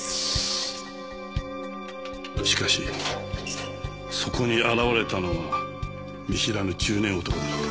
しかしそこに現れたのは見知らぬ中年男だった。